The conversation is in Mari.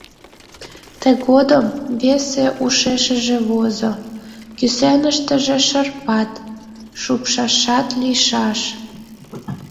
Тыгодым весе ушешыже возо: кӱсеныштыже шырпат, шупшашат лийшаш.